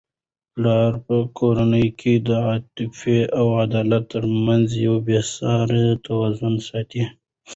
پلار په کورنی کي د عاطفې او عدالت ترمنځ یو بې سارې توازن ساتي.